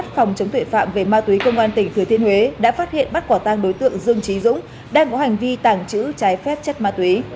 phòng chống tuệ phạm về ma túy công an tỉnh thừa thiên huế đã phát hiện bắt quả tăng đối tượng dương trí dũng đang có hành vi tàng trữ trái phép chất ma túy